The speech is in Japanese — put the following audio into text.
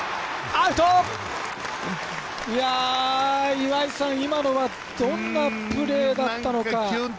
岩井さん、今のはどんなプレーだったのか。